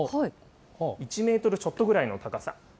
１メートルちょっとぐらいの高さ。